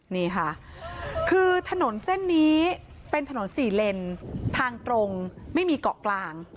นี่ค่ะคือถนนเส้นนี้เป็นถนนสี่เลนทางตรงไม่มีเกาะกลาง